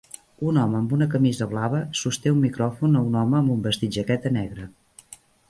Un home amb una camisa blava sosté un micròfon a un home amb un vestit jaqueta negre.